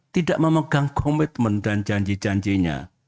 tidak memegang komitmen dan janji janjinya